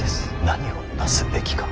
何をなすべきか。